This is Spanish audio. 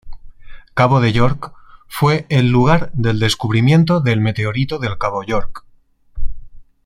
Cabo de York fue el lugar del descubrimiento del meteorito del Cabo York.